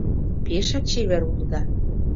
Пешак чевер улыда